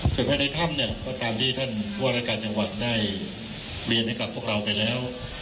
ส่วนภายในถ้ำเนี่ยก็ตามที่ท่านผู้ว่ารายการจังหวัดได้เรียนให้กับพวกเราไปแล้ว